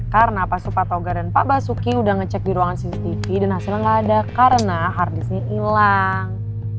karena pas supatoga dan pak basuki udah ngecek di ruangan cctv dan hasilnya ga ada karena harddisknya hilang